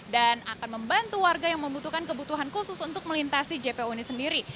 dan akan membantu warga yang membutuhkan kebutuhan khusus untuk melintasi jpo ini sendiri